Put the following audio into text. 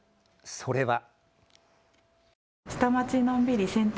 それは。